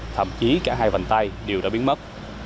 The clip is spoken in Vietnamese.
thậm chí cả hai vành tay đều đã biến mất